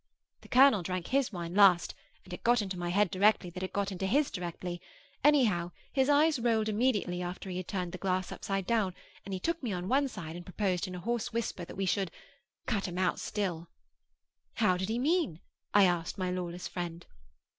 The colonel drank his wine last; and it got into my head directly that it got into his directly. Anyhow, his eyes rolled immediately after he had turned the glass upside down; and he took me on one side and proposed in a hoarse whisper, that we should 'Cut 'em out still.' 'How did he mean?' I asked my lawless friend.